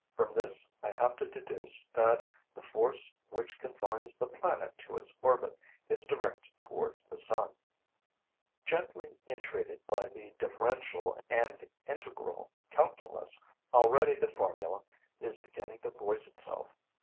From this I have to deduce that the force which confines the planet to its orbit is directed towards the sun. Gently entreated by the differential and integral calculus, already the formula is beginning to voice itself.